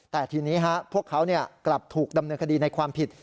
แต่ทีนี้พวกเขากลับถูกดำเนินคดีในความผิด